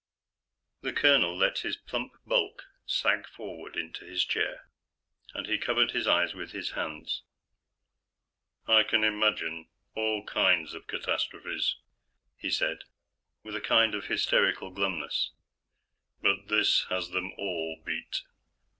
The colonel let his plump bulk sag forward in his chair, and he covered his hands with his eyes. "I can imagine all kinds of catastrophes," he said, with a kind of hysterical glumness, "but this has them all beat."